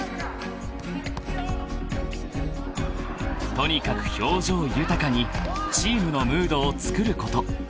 ［とにかく表情豊かにチームのムードをつくること］